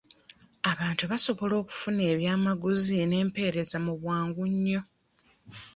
Abantu basobola okufuna ebyamaguzi n'empereza mu bwangu nnyo.